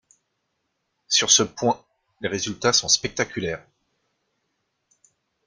Sur ce point, les résultats sont spectaculaires.